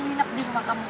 minep di rumah kamu